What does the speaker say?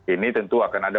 ini tentu akan ada